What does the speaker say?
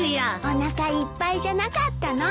おなかいっぱいじゃなかったの？